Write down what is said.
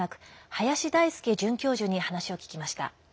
林大輔准教授に話を聞きました。